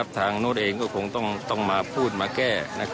โน้ตเองก็คงต้องมาพูดมาแก้